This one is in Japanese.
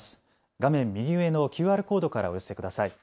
画面右上のＱＲコードからお寄せください。